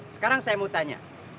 sekarang saya mau tanya